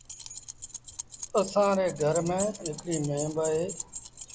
اسآݩ ري گھر ميݩ هڪڙيٚ ميݩهن با اهي۔